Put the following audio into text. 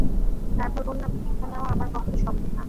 তারপর বললাম, ভিক্ষা নেওয়া আমার পক্ষে সম্ভব না।